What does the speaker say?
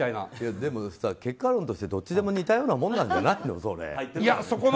でも結果論としてどっちも似たようなものじゃないの？